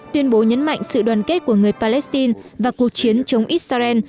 tuyên bố nhấn mạnh sự đoàn kết của người palestine và cuộc chiến chống israel